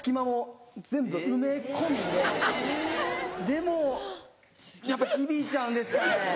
でもやっぱ響いちゃうんですかね。